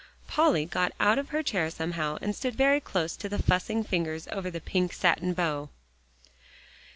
Polly got out of her chair somehow, and stood very close to the fussing fingers over the pink satin bow.